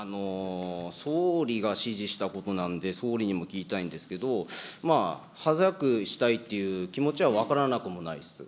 総理が指示したことなんで、総理にも聞きたいんですけど、早くしたいという気持ちは分からなくもないです。